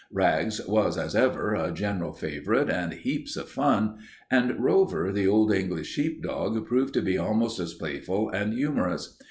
Rags was, as ever, a general favorite and heaps of fun, and Rover, the Old English sheepdog, proved to be almost as playful and humorous.